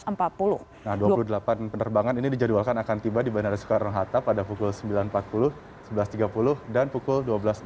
nah dua puluh delapan penerbangan ini dijadwalkan akan tiba di bandara soekarno hatta pada pukul sembilan empat puluh sebelas tiga puluh dan pukul dua belas empat puluh